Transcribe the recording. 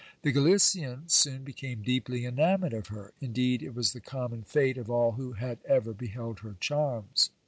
The Galician soon became deeply enamoured of her : indeed, it was the common fate of all who had ever beheld her charms.